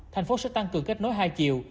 thành phố sẽ tăng cường kết nối hai chiều